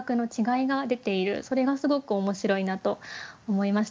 それがすごく面白いなと思いました。